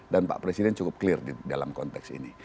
jadi kita cukup clear dalam konteks ini